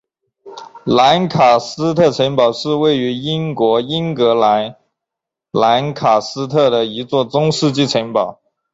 兰卡斯特城堡是位于英国英格兰兰卡斯特的一座中世纪城堡。